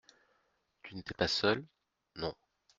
Tu n'étais pas seul ? Non.